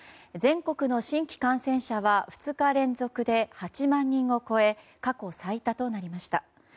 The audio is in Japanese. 全国の新規感染者は２日連続で８万人を超え過去最多となりました。